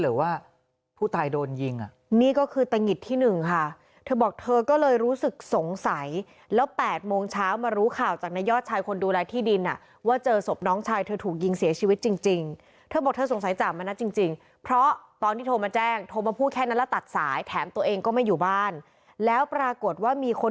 หรือว่าผู้ตายโดนยิงอ่ะนี่ก็คือตะหงิดที่หนึ่งค่ะเธอบอกเธอก็เลยรู้สึกสงสัยแล้ว๘โมงเช้ามารู้ข่าวจากนายยอดชายคนดูแลที่ดินอ่ะว่าเจอศพน้องชายเธอถูกยิงเสียชีวิตจริงจริงเธอบอกเธอสงสัยจ่ามณัฐจริงจริงเพราะตอนที่โทรมาแจ้งโทรมาพูดแค่นั้นแล้วตัดสายแถมตัวเองก็ไม่อยู่บ้านแล้วปรากฏว่ามีคน